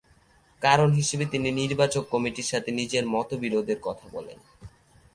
কারণ হিসেবে তিনি নির্বাচক কমিটির সাথে নিজের মতবিরোধের কথা বলেন।